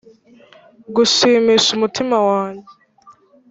gushimisha umutima wanjye.